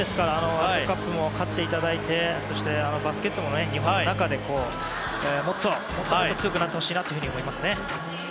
ワールドカップでも勝っていただいてバスケットも日本の中でもっと強くなってほしいなと思いますね。